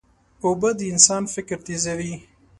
اوبه د انسان فکر تیزوي.